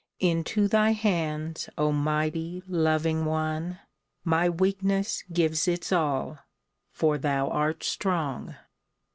Into thy hands, O mighty, loving One, My weakness gives its all, for thou art strong